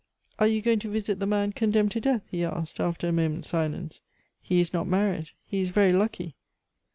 "Are you going to visit the man condemned to death?" he asked after a moment's silence. "He is not married! He is very lucky!"